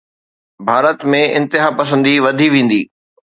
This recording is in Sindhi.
ڀارت ۾ انتهاپسندي وڌي ويندي.